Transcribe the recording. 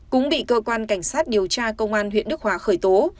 cũng bị cơ quan cảnh sát điều tra công an huyện đức hòa khởi tố